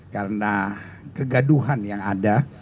karena kegaduhan yang ada